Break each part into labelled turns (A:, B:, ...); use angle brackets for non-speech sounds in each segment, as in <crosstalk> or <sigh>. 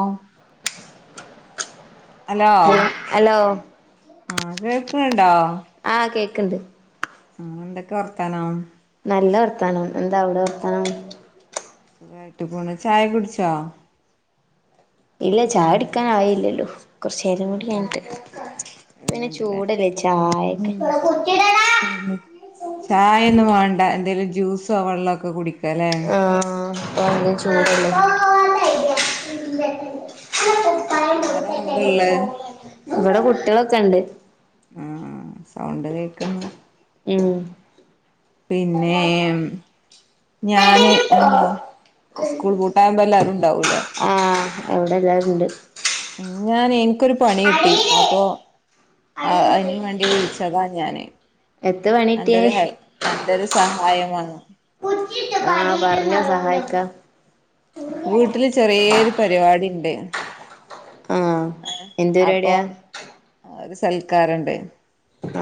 A: ആഹ്
B: <inaudible>
A: hello ആഹ് കേക്കണ്ടുണ്ടോ.
B: ആഹ് കേക്കണ്ട്
A: ആഹ് എന്തൊക്കെ വർത്താനം
B: നല്ല വർത്താനം എന്താ അവിടെ വർത്താനം
A: സുഖായിട്ട് പോണ് ചായ കുടിച്ചോ.
B: ഇല്ല ചായ കുടിക്കാന് ആയില്ലല്ലോ. കുറച്ചരും കൂടി കഞിട്ട് പിന്നെ
A: എവിടെണ്ടല്ലേ
B: ചൂടല്ലേ ചായൊക്കെ.
A: ചായ ഒന്നും വേണ്ട എന്തേലും ജ്യൂസോ വെള്ളമൊക്കെ കുടിക്ക അല്ലേ.
B: ആഹ് ഇപ്പൊ ചൂടല്ലേ.
A: ആരാ അവിടെള്ള
B: ഇവിടെ കുട്ടികളൊക്കെ ഉണ്ട്.
A: ആഹ് ആഹ് സൗണ്ട് കേക്കുന്നു
B: ഉം
A: പിന്നെ ഞാന് എന്താ സ്കൂൾ പൂട്ടായുമ്പോ എല്ലാരും ഇണ്ടാവൂലേ.
B: ആഹ് ഇവിടെ എല്ലാരുണ്ട്
A: ഉം ഞാൻ എനിക്കൊരു പണി കിട്ടി അപ്പൊ അതിന് വേണ്ടി വിളിച്ചു. <unintelligible> ഞാനേ.
B: എത്ത മണി
A: അന്റെ ഒരു ഹെൽ അന്റെ ഒരു സഹായം വേണം
B: ആഹ് പറഞ്ഞ സഹായിക്കാം
A: വീട്ടില് ചെറിയൊരു പരിപാടി ഉണ്ട്
B: ആഹ്
A: ഏഹ്
B: എന്ത്
A: അപ്പൊ
B: പരിപാടിയാ
A: ഒരു സൽക്കാരുണ്ട്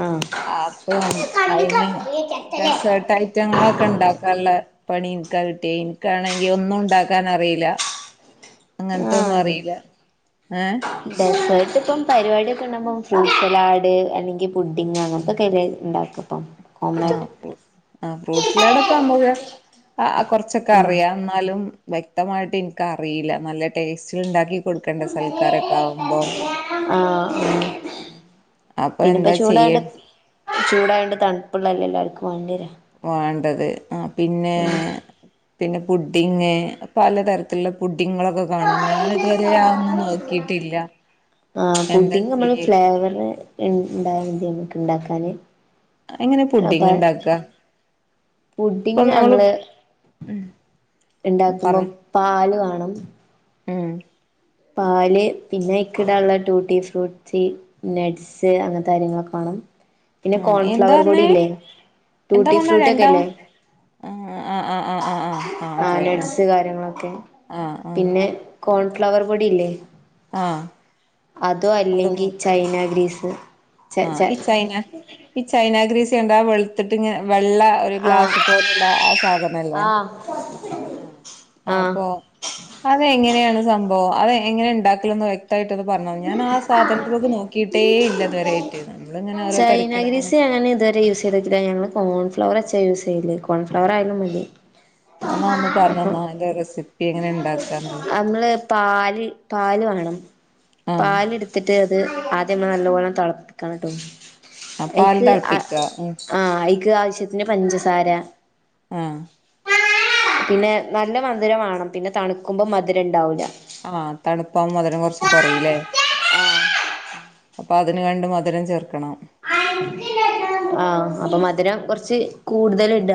B: ആഹ്
A: അപ്പം അയിനെ ഡെസേർട്ട് ആയിട്ട് കുറ്റങ്ങളൊക്കെ ഉണ്ടാക്കാനുള്ള പണിനിക്കാ കിട്ടിയ എനിക്കാണെങ്കിൽ ഒന്നും ഉണ്ടാക്കാൻ അറിയില്ല അങ്ങനത്തെ ഒന്നും
B: ആഹ്
A: അറിയില്ല ഏഹ്
B: ഡെസേർട്ട് ഇപ്പം പരിപാടിയൊക്കെ ഉണ്ടാവുമ്പോ ഫ്രൂട്ട് സലാഡ് അല്ലെങ്കിൽ പുഡിങ് അങ്ങനത്തൊക്കെ അല്ലെ ഇണ്ടാക്കാ <unintelligible>
A: ആഹ് ഫ ആഹ് ഫ്രൂട്ട്സിലടൊക്കെ നമ്മുക്ക് കുറച്ചൊക്കെ
B: ആഹ്
A: അറിയാം എന്നാലും വ്യക്തമായിട്ട് എനിക്ക്റിയില്ല നല്ല ടേസ്റ്റ ഉണ്ടാക്കി കൊടുക്കേണ്ട സൽക്കാരൊക്കെ ആകുമ്പോൾ
B: ആഹ് ആഹ്
A: അപ്പൊ
B: പിന്നെപ്പ
A: എന്താ
B: ചൂടായോണ്ട്
A: ചെയ്യേ
B: ചൂടായണ്ട് തണുപ്പുള്ളല്ല എല്ലാവർക്കും വണ്ടി വരാ
A: വേണ്ടത് ആഹ് പിന്നെ പിന്നെ പുഡിങ് പലതരത്തി തുള്ള പുഡിങ്ങളൊക്കെ കാണാം ഞാന ഇതുവരെയ അതൊന്നും നോക്കിട്ടില്ല
B: ആഹ് പുഡിംങ്ങ് നമ്മള് ഫ്ലേവറ് ഉണ്ടായ മതി നമ്മുക്ക് ഇണ്ടാക്കാന്
A: എങ്ങനെ
B: അപ്പ
A: പുഡിങ് ഉണ്ടാക്ക
B: പുഡിങ് നമ്മള് ഉണ്ടാക്കുമ്പോ
A: പറയ്
B: പാല് വാണം
A: ഉം
B: പാല് പിന്നെ അയ്ക്കിടാള്ള ടൂട്ടി ഫ്രൂട്ട്സി നെഡ്സ് അങ്ങനത്തെ കാര്യങ്ങളൊക്കെ വാണം പിന്നെ
A: ആ എന്താ
B: കോൺഫ്ലവർ പൊടി
A: പറഞ്ഞേ
B: ഇല്ലേ ട്യൂട്ടി ഫ്രൂട്ടി ഒക്കെ ല്ലേ
A: ആഹ് ആഹ് ആഹ് ആഹ്
B: ആഹ് നഡ്സ് കാര്യങ്ങളൊക്കെ
A: ആ ആ
B: പിന്നെ കോൺഫ്ലവർ പൊടി ഇല്ലേ
A: ആ
B: അതോ അല്ലെങ്കിൽ ചൈന ഗ്രീസ് ച
A: ആഹ്
B: ച
A: ഈ ചൈന ഈ ചൈന ഗ്രീസ് കണ്ട വെളുത്തിട്ട് ഇ വെള്ള ഒരു
B: ആ
A: ഗ്ലാസ് പോലെയുള്ള ആഹ് സാധനല്ലേ
B: ആ
A: ആഹ്
B: ആ
A: അപ്പൊ അത് എങ്ങനെയാണ് സംഭവം അത് എങ്ങനെ ഉണ്ടാക്കലന്ന് വ്യക് യിട്ടൊന്ന് പറഞ്ഞോ ഞാൻ ആഹ് സാധൻത്ത്മ്മക്ക് നോക്കിയിട്ടേ ഇല്ല ഇതുവരെെയായിട്ട് നമ്മളിങ്ങനെ ഓരോ തിരക്കിലാവും
B: ഞാന് ഇതുവരെ യൂസ് ചെയ്ത ഞങ്ങള് കോൺഫ്ലവർ വച്ച യൂസ് ചെയ്യല് കോൺഫ്ലവർ ആയാലും മതി
A: എന്നാ ഒന്ന്
B: അപ്പം
A: പറഞ്ഞന്നോ അന്റെ റെസിപ്പി എങ്ങനെ ഉണ്ടാക്കാന്നല്ലോ
B: നമ്മള് പാല് പാല് വേണം
A: ആഹ്
B: പാല് എടുത്തിട്ട് അത് ആദ്യ നമ്മ നല്ല പോണം തളപ്പടുക്കാനട്ടോ
A: ആ പാല്
B: ഐക്ക് ആഹ്
A: തിളപ്പിക്കുക ഉം
B: ആഹ് ഐക്ക് ആവശ്യത്തിന് പഞ്ചസാര
A: ആഹ്
B: പിന്നെ നല്ല മധുര വേണം പിന്നെ തണുക്കുമ്പോ മധുരം ഉണ്ടാവൂല
A: ആഹ് തണുപ്പാവ്മ്പോ മതിരം കുറച്ച് കൊറീല്ലേ അപ്പൊ അതിന് വേണ്ട മധുരം ചേർക്കണം
B: ആഹ് ആഹ് അപ്പൊ മധുരം കുറച്ച് കൂടുതൽ ഇട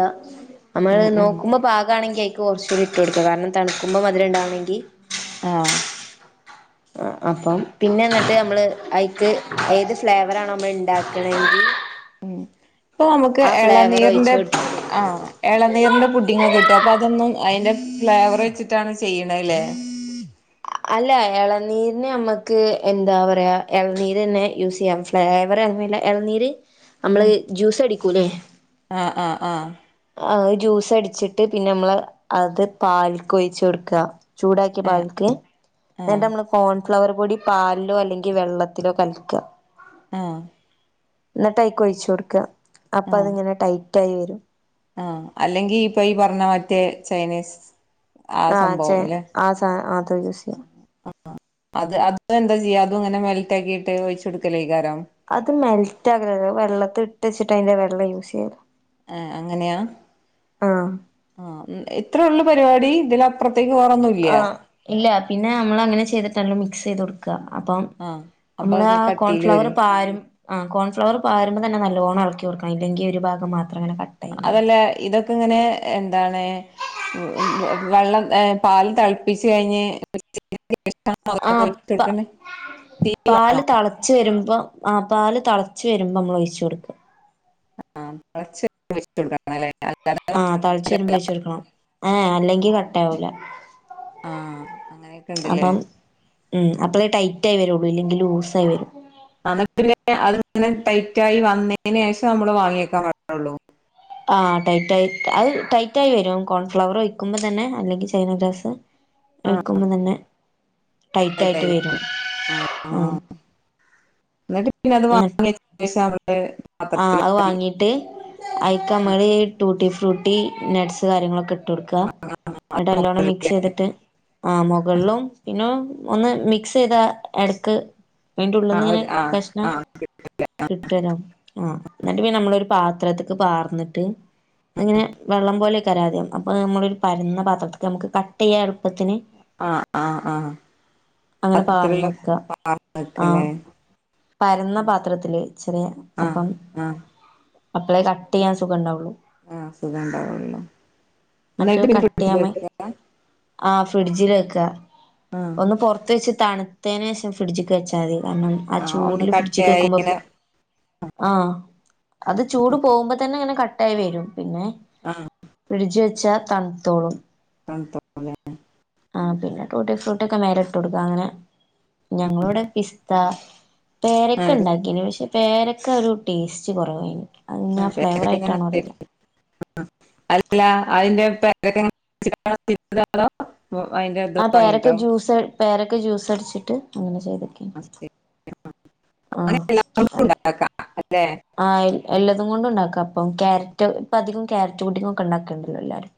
A: ഉം
B: നമ്മള്
A: ഉം
B: നോക്കുമ്പോ പാകാണെങ്കി അയിക്ക് കൊർച്ചൂടി ഇട്ട് കൊടുക്കുക കാരണം തണ്ക്കുമ്പം അതിലുണ്ടാണെങ്കിൽ
A: ആഹ്
B: ആഹ് അപ്പം പിന്നെ എന്നിട്ട് നമ്മള് ഐക്ക് ഏത് ഫ്ലേവറാണോ നമ്മൾ ഉണ്ടാക്കണമെങ്കിൽ
A: ഉം ഇപ്പൊ നമുക്ക്
B: ഒഴിച്ചു
A: ഇളനീറിന്റെ
B: കൊടുത്താ മതി
A: ആഹ് ഇളനീറിന്റെ പുട്ടിങ്ങൊക്കെ കിട്ടും അപ്പൊ അതൊന്നും അതിന്റെ ഫ്ലേവർ വെച്ചിട്ടാണ് ചെയ്യ്ണല്ലേ
B: അല്ല ഇളനീരിന് നമ്മുക്ക് എന്താ പറയാ ഇളനീര് തന്നെ യൂസ് ചെയ്യാം ഫ്ലേവറെ അല്ല ഇളനീര് നമ്മൾ
A: ഉം
B: ജ്യൂസ് അടിക്കൂല്ലേ
A: ആഹ് ആഹ് ആഹ്
B: ആം ജ്യൂസ് അടിച്ചിട്ട് പിന്നെ നമ്മള് അത് പാൽക്ക് ഒഴിച്ചകൊടുക്കുക ചൂടാക്കിയ
A: ഏഹ്
B: പാൽക്ക് നട്ട്
A: ആഹ്
B: നമ്മൾ കോൺഫ്ലവർ പൊടി പാലിലോ അല്ലെങ്കിൽ വെള്ളത്തിലോ കലക്ക
A: ആഹ്
B: എന്നിട്ട് അതിലേക്ക് ഒഴിച്ചു കൊടുക്ക അപ്പൊ
A: ആഹ്
B: അത്ങ്ങനെ ടൈറ്റ് ആയി വരും
A: ആഹ് അല്ലെങ്കി ഇപ്പൊ ഈ പറഞ്ഞ മറ്റേ ചൈനീസ് ആ
B: ആഹ് ചെ
A: സംഭവം
B: ആഹ് സാനം ആത് യൂസ് ചെയ്യാം
A: ആഹ് അത് അതന്താ ചെയ്യ അതും ഇങ്ങനെ മെൽറ്റ് ആക്കിട്ട് ഒഴിച്ച് കൊടുക്കലേക്കാരം
B: അത് മെൽറ്റ് ആകലല്ലാ വെള്ളത്തില് ഇട്ട് വെച്ചിട്ട് അതിന്റെ വെള്ളം യൂസ് ചെയ്യല്ല
A: ഏഹ് അങ്ങനെയാ
B: ആഹ്
A: ആഹ് ഇത്രയള്ളൂ പരിപാടി ഇതിലപ്പുറത്തേക്ക് വേറൊന്നും
B: ആഹ് ഇല്ല പിന്നെ നമ്മൾ അങ്ങനെ ചെയ്തിട്ടല്ലോ മിക്സ് ചെയ്ത് കൊടുക്കും അപ്പം
A: ആഹ് അപ്പൊ
B: നമ്മള്
A: അത്
B: ആഹ്
A: കട്ടിയില്
B: കോൺഫ്ലവർ
A: വരും
B: പാരും ആഹ് കോൺഫ്ലവർ പാരുമമ്പോ തന്നെ നല്ല ഓണം ഇളക്കി കൊടുക്കണം ഇല്ലെങ്കിൽ ഒരു ഭാം മാത്രംങ്ങനെ കട്ടി
A: അതല്ല ഇതൊ ഇങ്ങനെ എന്താണ് വെള്ളം പാൽ തെൾപ്പിച്ച് കഴിഞ്ഞ്
B: ആഹ്
A: <unintelligible> തീ വേണോ
B: ച്ച് വരുമ്പോ ആ പാല് തൾച്ച് വരുമ്പോ നമ്മൾ ഒഴിച്ച് കൊടുക്കും
A: <unintelligible>
B: ആഹ് തളിച്ചു വരുമ്പോഴ്ച്ചൊടുക്കണം ആ അല്ലെങ്കി കട്ട ആവൂല
A: ആഹ് അങ്ങനെ
B: അപ്പം ഉം അപ്പളേ ടൈറ്റ് ആയി വരുള്ളൂ ഇല്ലെങ്കിൽ ലൂസ ആയി വരും
A: അത് പിന്നെ അത്ങ്ങനെ ടൈറ്റ ആയി വന്നേന് ശേഷം നമ്മള് വാങ്ങിയേക്കാൻ പറ്റുള്ളൂ
B: ആഹ് ടൈറ്റ് ആയി അത് ടൈറ്റ് ആയി വരും കോൺഫ്ലവർ ഒഴിക്കുമ്പോ തന്നെ അല്ലെങ്കിൽ ചൈന ഗ്രാസ്
A: ആഹ്
B: ഒഴിക്കുമ്പോ തന്നെ ടൈറ്റ് ആയിട്ട്
A: ടൈറ്റായി
B: വരും
A: ആഹ്
B: ആ
A: ആഹ് എന്നിട്ട് പിന്നെ അത് വാങ്ങി വെച്ച് അവടെ
B: ആ അത് വാങ്ങീട്ട് അയിക്കമ്മള് ടൂട്ടി ഫ്രൂട്ടി നട്ട്സ് കാര്യങ്ങളൊക്കെ ഇട്ടട്ക്ക എന്നിട്ട് നല്ലോണം മിക്സ് ചെയ്തിട്ട് ആ മുകളിലും പിന്നെ ഒന്ന് മിക്സ് ചെയ്താ എടക്ക് അയ്ൻ്റെ ഉള്ള്ന്ന്
A: ആഹ്
B: ഇങ്ങനെ
A: ആഹ്
B: പ്രശ്ന
A: ആഹ്
B: കിട്ടുരാ ആഹ് എന്നിട്ട് പിന്നെ നമ്മളൊരു പാത്രത്ത്ക്ക് പാർന്നിട്ട് അങ്ങനെ വെള്ളം പോലെ അയ്ക്കാരം ആദ്യം അപ്പ നമ്മളൊരു പരന്ന പാത്രത്ത്ക്ക് നമുക്ക് കട്ടെയ്യാ എളുപ്പത്തിന്
A: ആഹ് ആഹ് ആഹ്
B: അങ്ങനെ പാർന്ന് വെക്ക ആഹ്
A: <unintelligible>
B: പരന്ന പാത്രത്തില് ചെറിയ
A: ആഹ്
B: അപ്പം
A: ആഹ്
B: അപ്പളേ കട്ടെയ്യാൻ സുഖം ഇണ്ടാവുള്ളു
A: ആഹ് സുഖം ഉണ്ടാവുള്ളൂ എന്നിട്ട്
B: മറ്റേ
A: പിന്നെ ഫ്രിഡ്ജിൽ
B: കട്ടിയാമ്മെ
A: വെക്ക
B: ആഹ് ഫ്രിഡ്ജിൽ വെക്ക
A: ആഹ്
B: ഒന്ന് പുറത്ത് വെച്ച് തണുത്തന് ശേഷം ഫ്രിഡ്ജ്ക്ക് വെച്ചാതി കാരണം ആ
A: ആഹ് ഒന്ന്
B: ചൂട്ല് ഫ്രിഡ്ജ്ക്ക്
A: കട്ടയായി
B: വെക്കുമ്പോ
A: ഇങ്ങനെ
B: ആ അത് ചൂട് പോകുമ്പോ തന്നെ അങ്ങനെ കട്ടായി വരും പിന്നെ
A: ആഹ്
B: ഫ്രിഡ്ജിൽ വെച്ചാ തണുത്തോളും
A: തൺത്തോ
B: ആ പിന്നെ ടൂട്ടി ഫ്രൂട്ട് ഒക്കെ മേലെ ഇട്ട് കൊടുക്ക അങ്ങനെ ഞങ്ങളോടെ പിസ്ത പേരക്ക
A: ല്ലേ
B: ഉണ്ടാക്കിന് പക്ഷെ പേരക്ക ഒരു ടേസ്റ്റ് കുറവായിനി
A: ആ പേരക്ക <unintelligible> അല്ല അതിന്റെ <unintelligible> അയ്ന്റെ
B: ആ
A: ഇതും
B: പേരക്ക
A: വാങ്ങിട്ടോ
B: ജ്യൂസ് പേരക്ക ജ്യൂസ് അടിച്ചിട്ട് അങ്ങനെ ചെയ്തേ
A: <unintelligible> അല്ലേ
B: ആ എല്ലതും കൊണ്ട് ഉണ്ടാക്ക അപ്പം ക്യാരറ്റ് ഇപ്പ അധികം ക്യാരറ്റ് ഫുഡിംഗൊക്കെ ഉണ്ടാക്കല്ണ്ടല്ലോ എല്ലാരും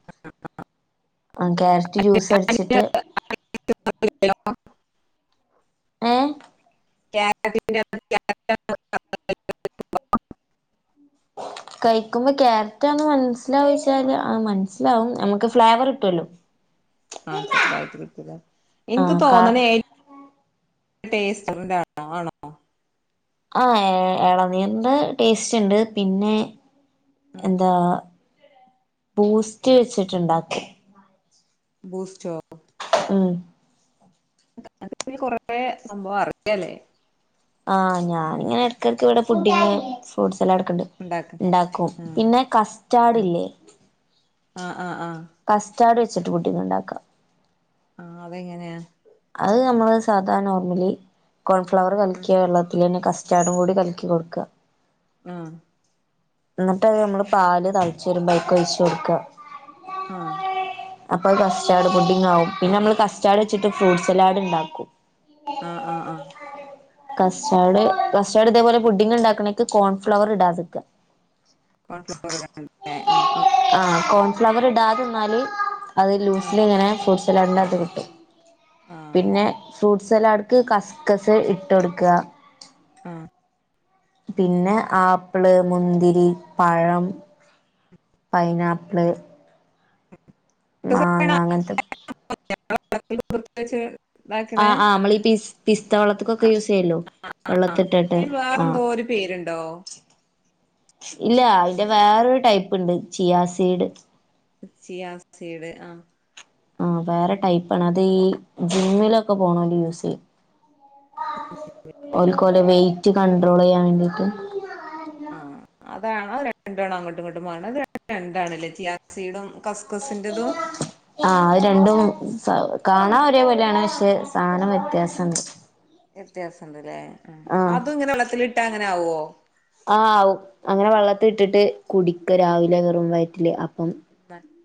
B: ആ ക്യാരറ്റ് ജ്യൂസ് അടിച്ചിട്ട്
A: <unintelligible>
B: ഏഹ്
A: <unintelligible>
B: കഴിക്കുമ്പോ ക്യാരറ്റാണെന്ന് മനസ്സിലാവച്ചാൽ അത് മനസ്സിലാവും നമുക്ക് ഫ്ലേവർ കിട്ടൊല്ലോ
A: ആ ചെറ്തായിട്ട് കിട്ടുലേ ഇൻക്ക്
B: ആഹ് കാ
A: തോന്നണ ഏറ്റവും ടേസ്റ്റ് <unintelligible> ആണോ
B: ആ എളനീൻ്റെ ടേസ്റ്റ് ഉണ്ട് പിന്നെ എന്താ ബൂസ്റ്റ് വെച്ചിട്ടുണ്ടാക്കും
A: ബൂസ്‌റ്റോ
B: ഉം
A: അൻക് പിന്നെ കൊറേ സംഭവം അറിയലേ
B: ആഹ് ഞാനിങ്ങനെ എട്ക്കട്ക്ക് ഇവിടെ ഫുഡിങ് ഫ്രൂട്ട്സ് എല്ലാം എടക്കുണ്ട്
A: ഉണ്ടാക്കാൻ
B: ഉണ്ടാക്കും
A: ഉം,
B: പിന്നെ കസ്റ്റാർഡ്ല്ലേ
A: ആഹ് ആഹ് ആഹ്
B: കസ്റ്റാർഡ് വെച്ചിട്ട് ഫുഡിംഗ് ഉണ്ടാക്കാം
A: ആ അതെങ്ങനെയാ
B: അത് നമ്മള് സാധാരണ നോർമലി കോൺഫ്ലവർ
A: ഉം,
B: കൽക്കിയ വെള്ളത്തിലന്നെ കസ് റ്റാടും കൂടി കൽക്കി കൊടുക്ക
A: ആഹ്
B: ഇന്നട്ട് അത് നമ്മള് പാല് തളച്ച് വരുമ്പോ അയിക്ക് ഒഴിച്ചു കൊടുക്ക
A: ആഹ്
B: അപ്പത് കസ്റ്റാർഡ് ഫുഡിങ്ങാകും. പിന്നെ നമ്മള് കസ്റ്റാർഡ് വെച്ചിട്ട് ഫ്രൂട്ട്സലാഡ് ഇണ്ടാക്കും
A: ആഹ് ആഹ് ആഹ്
B: കസ്റ്റാർഡ് കസ്റ്റാർഡ് ഇതേപോലെ പുഡിങ്ങ് ഇണ്ടാക്ക്ണേക്ക് കോൺഫ്ലവർ ഇടാതിരിക്കാം
A: കോൺഫ്ലവർ ഇടണ്ടേ ആ ആ
B: ആഹ് കോൺഫ്ലവറ് ഇടാതന്നാല് അത്
A: ആ
B: ലൂസിലിങ്ങനെ ഫ്രൂസ് ഡ്‌സലാടന്റെ അത് കിട്ടും.
A: ആ
B: പിന്നെ ഫ്രൂ സലാട്‌ക്ക് കസ്കസ് ഇട്ടു കൊടുക്ക
A: ആഹ്
B: പിന്നെ ആപ്പ്ള് മുന്തി രി, പഴം, പൈനാപ്പിള് മാങ്ങ
A: ഇതൊക്കെ
B: അങ്ങൻത്തൊക്കെ
A: <inaudible> <unintelligible>
B: ആഹ് ആഹ് നമ്മള് ഈ പി പിസ്ത വള്ളത്ത്ക്കൊക്കെ യൂസെയ്യല്ലോ വെള്ളത്തിട്ടാട്ട്
A: അതിന്
B: ആഹ്
A: വേറെന്തോ ഒരു പേരുണ്ടോ
B: ഇല്ല അയിന്റെ വേറൊരു ടൈപ്പ്ണ്ട് ചിയാസീഡ്
A: ചിയാസീടഡ്‌ ആഹ്
B: ആഹ് വേറെ ടൈപ്പാണ്. അത് ഈ ജിമ്മിലൊക്കെ പോണോല് യൂസെയ്യും
A: ആ
B: ഒൽക്കോലെ വൈറ്റ് കൺണ്ട്രോളെയ്യാൻ വേണ്ടിട്ട്
A: ആഹ് അതാണ് അത് രണ്ടാണ് അങ്ങോട്ടും അങ്ങട്ടും ഇങ്ങട്ടും മാറ്ണത്. അത് രണ്ടും രണ്ടാണല്ലേ ചിയാസീടും കസ് ക്കസിന്റെതും
B: ആഹ് അത് രണ്ടും സ കാണാ ഒരേ പോലെയാണ് ക്ഷെ സാധനം വ്യത്യാസണ്ട്.
A: വിത്യാസണ്ട് ല്ലേ ആഹ്, അതും ഇങ്ങനെ വള്ളത്തിലിട്ടാ അങ്ങനാവോ
B: ആഹ് ആവും. അങ്ങനെ വള്ളത്തിലിട്ടിട്ട് കുടിക്ക രാവിലെ വെറും വയറ്റില് അപ്പം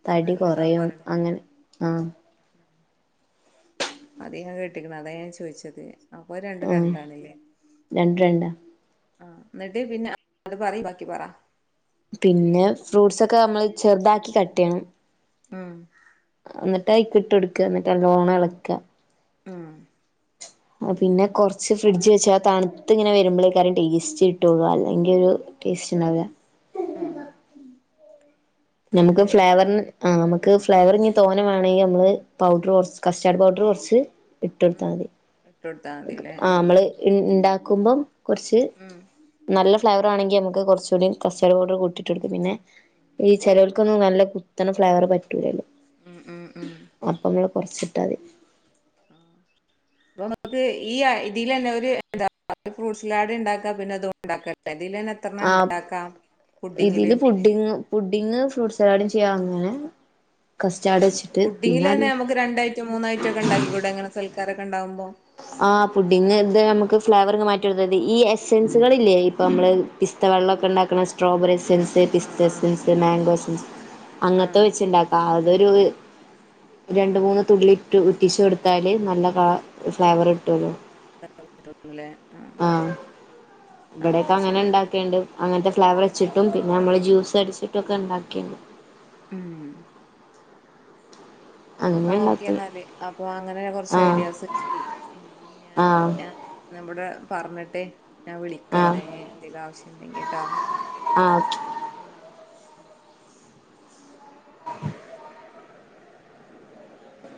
B: തടി
A: നല്ലതാന്ന്
B: കൊറയും
A: പറയണ
B: അങ്ങനെ ആഹ്
A: അത് ഞാൻ കേട്ടിക്ക്ണ് അതാ ഞാൻ ചോദിച്ചത് അപ്പൊ രണ്ടും
B: ആഹ്
A: രണ്ടാണല്ലേ
B: രണ്ടും രണ്ടാ
A: ആഹ് ഇന്നിട്ട് പിന്നെ അത് പറി ബാക്കി പറ
B: പിന്നെ ഫ്രൂട്ട്സൊക്കെ നമ്മള് ചെറുതാക്കി കട്ടെയ്യണം.
A: ആഹ്
B: ഏഹ് ഇന്നട്ട് അയിക്കിട്ടെടുക്കാ ഇന്നിട്ട് നല്ലോണം എളക്കാ
A: ആഹ്
B: പിന്നെ കൊറച്ച് ഫ്രിഡ്ജ് വെച്ച് ആ തണുത്തിങ്ങനെ വരുമ്പളേക്കാരം ടേസ്റ്റ് കിട്ടൊള്ളൂ അല്ലെങ്കിൽ ഒരു ടേസ്റ്റ് ഇണ്ടാവൂല്ല.
A: ആഹ്
B: നമുക്ക് ഫ്ലേവറിന് ആഹ് നമുക്ക് ഫ്ലേവറ് ഇനി തോഞ്ഞെ വാണങ്കി നമ്മള് പൗഡറ് കൊറ് കസ്റ്റാർഡ് പൗഡറ് കൊറച്ച് ഇട്ടൊടുത്താ മതി.
A: ഇട്ടൊടുത്താ മതില്ലേ ഹ്മ്മ്
B: ഇ ഇണ്ടാക്കുമ്പം കൊർച്ച് നല്ല ഫ്ലേവറാണെങ്കി നമുക്ക് കൊറച്ചുകൂടി കസ്റ്റാർഡ്‌ പൗഡറ് കൂട്ടിട്ടൊടുക്കാ. പിന്നെ ഈ ചെലോ ൽക്കൊന്നും നല്ല കുത്ത്ണ ഫ്ലേവറ് പറ്റൂലല്ലോ
A: ഉം, ഉം, ഉം, ഉം.
B: അപ്പ അമ്മള് കൊറച്ചിട്ടാ മതി.
A: അപ്പൊ നമുക്ക് ഈ ആഹ് ഇതിലെന്നോര് എന്താ ഫ്രൂട്ട്സലാഡ് ഇണ്ടാക്കാ പിന്നെ അതും ഇണ്ടാക്കലേ ഇതിലന്നെ എത്രണ്ണം
B: ആഹ്
A: ഉണ്ടാക്കാം പുഡിങ്ങില്
B: ഇതില് പുഡിങ്ങും പുഡിങ്ങ് ഫ്രൂട്ട്സലാഡും ചെയ്യാ അങ്ങനെ കസ്റ്റാർഡെച്ചിട്ട്, പിന്നെ അതന്നെ
A: ത് രണ്ടായി മൂന്നായിട്ടൊക്ക ഉണ്ടാക്കിക്കൂടെങ്ങന സൽക്കാരൊക്കെ ഉണ്ടാവുമ്പോ?
B: ആഹ് പുഡിങ് ഇത് നമുക്ക് ഫ്ലേവർങ്ങ് മാറ്റി കൊടുത്താ മതി ഈ എസൻസുകൾ ഇല്ലേ ഇപ്പൊ മ്മള്. പിസ്ത വെള്ളൊക്കെ ഉണ്ടാക്ക്ണ. സ്ട്രോബെറി
A: ആഹ്
B: എസൻസ് പിസ്ത
A: ആഹ് ആഹ്
B: എസൻസ് മാംഗോ എസൻസ് അങ്ങനത്തെ
A: ആഹ്
B: വെച്ചുണ്ടാ ആഹ് അതൊരു രണ്ട് മൂന്ന് തുള്ളി ഇട്ട് ഉറ്റിച്ച് കൊടുത്താൽ നല്ല കള
A: ആഹ്
B: ഫ്ലേവർ കിട്ടെള്ളു ആഹ്. ഇബടൊക്കെ
A: അങ്ങനെ
B: അങ്ങനാ
A: ചെയ്യാലേ
B: ഇണ്ടാക്കെണ്ട്. അങ്ങനത്തെ ഫ്ലേവർ വെച്ചിട്ടും പിന്നെ നമ്മളെ ജ്യൂസ് അടിച്ചിട്ടും ഒക്കെ ഉണ്ടാക്കേയണ്ട്.
A: ഉം. എന്നാ
B: അങ്ങനെ
A: ഓക്കേ
B: ഉണ്ടാക്കല്
A: എന്നാല് അപ്പോ അങ്ങനെ കുറച്ച്
B: ആഹ്
A: ഐഡിയാസ് കിട്ടി ഉം ഞാന് ആഹ്. നമ്മുടെ പറ്ഞ്ഞിട്ടെ. ഞാൻ
B: ആഹ്
A: വിളിക്കന്നെ എന്തെലും ആവശ്യംണ്ടെങ്കിട്ടോ.
B: ആഹ് ഓക്കെ <inaudible>